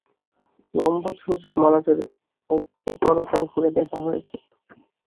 লম্ববা ছুঁচ মলাটের এপার-ওপার ফুড়ে দেখা হয়েছে।